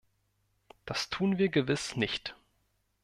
Das tun wir gewiss nicht.